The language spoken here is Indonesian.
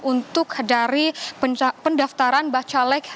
untuk dari pendaftaran bacalek